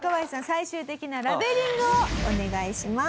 最終的なラベリングをお願いします。